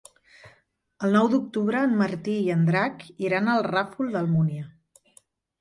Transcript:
El nou d'octubre en Martí i en Drac iran al Ràfol d'Almúnia.